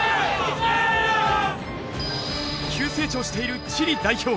急成長しているチリ代表。